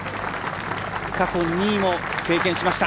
過去２位を経験しました。